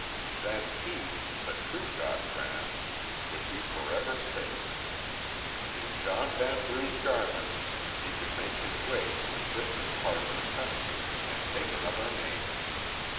Then he, the true Gautran, would be forever safe. In John Vanbrugh's garments he could make his way to a distant part of the country, and take another name.